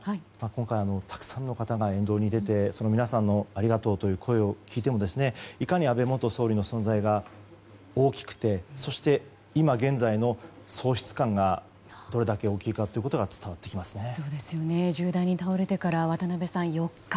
今回、たくさんの方が沿道に出てその皆さんのありがとうという声を聞いてもいかに安倍元総理の存在が大きくて、そして今現在の喪失感がどれだけ大きいかが銃弾に倒れてから渡辺さん、４日。